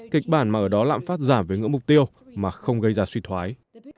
kịch bản mà ở đó lạm phát giảm về ngưỡng mục tiêu mà không gây ra suy thoái